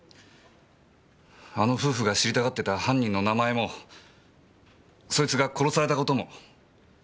あの夫婦が知りたがってた犯人の名前もそいつが殺された事も。